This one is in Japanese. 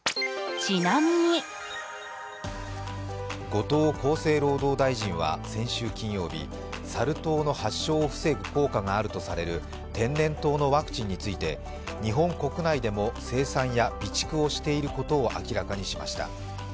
後藤厚生労働大臣は先週金曜日サル痘の発症を防ぐ効果があるとされる天然痘のワクチンについて日本国内でも生産や備蓄をしていることを明らかにしました。